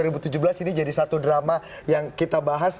ini jadi satu drama yang kita bahas